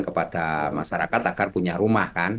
kepada masyarakat agar punya rumah kan